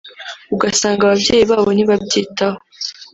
ugasanga ababyeyi babo ntibabyitaho